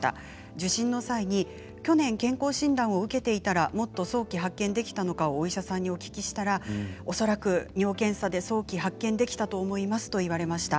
受診の際に去年健康診断を受けていたらもっと早期発見できたのかをお医者さんにお聞きしたら恐らく尿検査で早期発見できたと思いますと言われました。